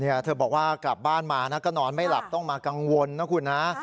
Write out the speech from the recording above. เธอบอกว่ากลับบ้านมานะก็นอนไม่หลับต้องมากังวลนะคุณนะ